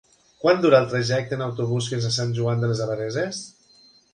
Quant dura el trajecte en autobús fins a Sant Joan de les Abadesses?